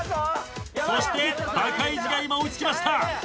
そしてバカイジが今追いつきました。